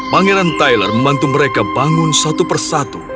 pangeran tyler membantu mereka bangun satu persatu